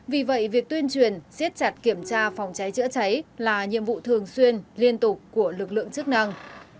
vì vậy việc tuyên truyền siết chặt kiểm tra phòng cháy chữa cháy là nhiệm vụ thường xuyên liên tục của lực lượng chức năng